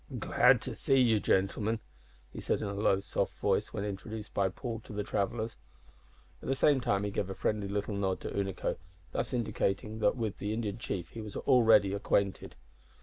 "Glad to see you, gentlemen," he said, in a low, soft voice, when introduced by Paul to the travellers. At the same time he gave a friendly little nod to Unaco, thus indicating that with the Indian chief he was already acquainted.